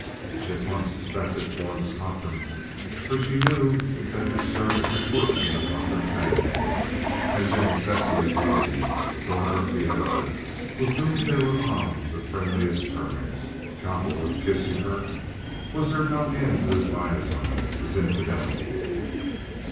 She at once suspected Florence Cochrane, for she knew that this servant had worked in the Cochrane family. And then Cecily Haguenin, the daughter of the editor with whom they were on the friendliest terms! Cowperwood kissing her! Was there no end to his liaisons—his infidelity?